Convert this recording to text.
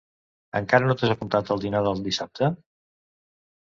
Encara no t’has apuntat al dinar del dissabte?